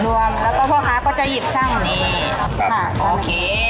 รวมแล้วก็พ่อค้าก็จะหยิบช่างนี่โอเค